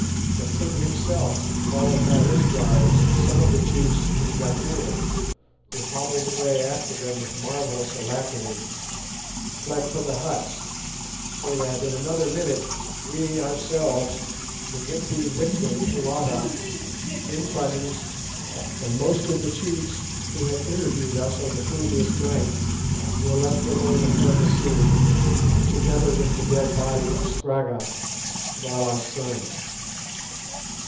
The king himself, followed by his guards, some of the chiefs, and Gagool, who hobbled away after them with marvellous alacrity, fled for the huts, so that in another minute we ourselves, the would be victim Foulata, Infadoos, and most of the chiefs who had interviewed us on the previous night, were left alone upon the scene, together with the dead body of Scragga, Twala's son.